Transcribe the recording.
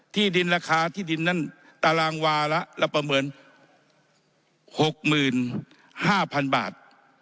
ที่ดินราคาที่ดินนั้นตารางวาระละประเมิน๖๕๐๐๐บาท